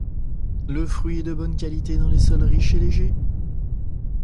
Le fruit est de bonne qualité dans les sols riches et légers.